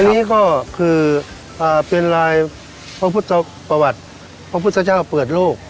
อันนี้ก็คือเป็นลายพระพุทธประวัติพระพุทธเจ้าเปิดโลก